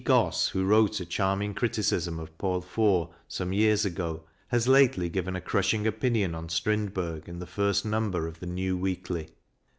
Gosse, who wrote a charming criticism of Paul Fort some years ago, has lately given a crushing opinion on Strind berg in the first number of the "New Weekly."